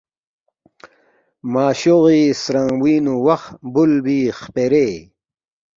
معشوغی سترنگبوئینگنو وخ بولبی خپرے